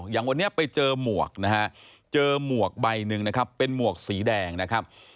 อย่างวันนี้ไปเจอหมวกนะฮะเจอหมวกใบหนึ่งนะครับเป็นหมวกสีแดงนะครับ